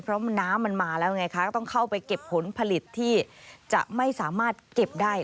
เพราะน้ำมันมาแล้วไงคะก็ต้องเข้าไปเก็บผลผลิตที่จะไม่สามารถเก็บได้